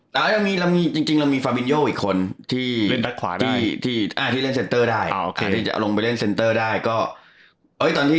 น้องโจ้อีกับพี่โจแลคน